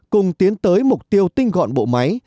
cùng tiến tới mục tiêu tinh gọn bộ máy